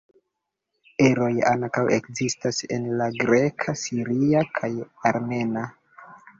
Eroj ankaŭ ekzistas en la greka, siria kaj armena.